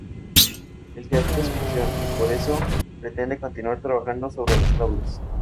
El teatro es su pasión y por eso pretende continuar trabajando sobre las tablas.